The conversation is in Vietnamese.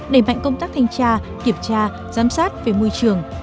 đẩy mạnh công tác thanh tra kiểm tra giám sát về môi trường